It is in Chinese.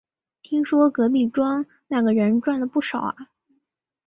听说隔壁庄那个人赚了不少啊